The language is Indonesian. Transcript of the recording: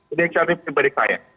ini inisiatif pribadi saya